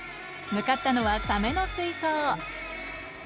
向かったのはサメの水槽。